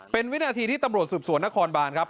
เป็นวินาทีที่ตำรวจสืบสวนนครบานครับ